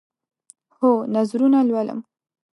هو، نظرونه لولم